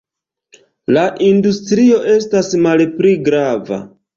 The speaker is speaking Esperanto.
La industrio estas malpli grava.